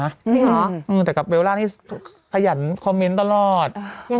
จริงเหรอแต่กับเบลล่านี่ขยันคอมเมนต์ตลอด